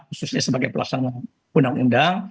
khususnya sebagai pelaksanaan undang undang